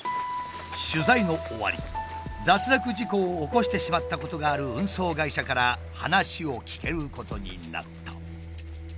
取材の終わり脱落事故を起こしてしまったことがある運送会社から話を聞けることになった。